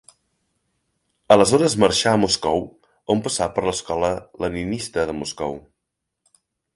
Aleshores marxà a Moscou, on passà per l'Escola Leninista de Moscou.